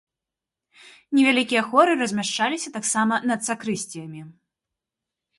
Невялікія хоры размяшчаліся таксама над сакрысціямі.